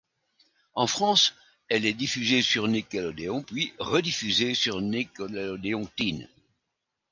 En France, elle est diffusée sur Nickelodeon puis rediffusée sur Nickelodeon Teen.